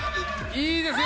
いいですよ！